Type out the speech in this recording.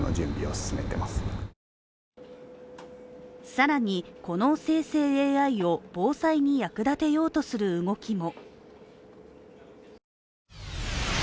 更に、この生成ＡＩを防災に役立てようとする動きも。